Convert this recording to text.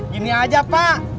gini aja pak